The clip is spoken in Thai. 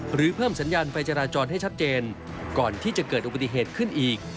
หรือเพิ่มสัญญาณไฟจราจรให้ชัดเจน